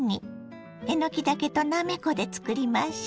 えのきだけとなめこで作りましょ。